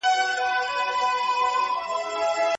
په ځمکه اوږد وغځیږه او ارام وکړه.